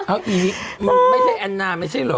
เอ้าไม่ใช่แอนนาไม่ใช่เหรอ